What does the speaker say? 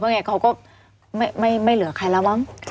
เพราะว่าเพราะไงเขาก็ไม่เหลือใครแล้วหว่าง